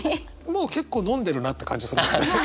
もう結構飲んでるなって感じするもんね。